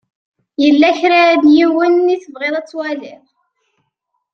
Yella kra n yiwen i tebɣiḍ ad twaliḍ?